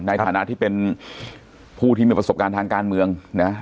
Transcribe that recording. ในฐานะที่เป็นผู้ที่มีประสบการณ์ทางการเมืองนะ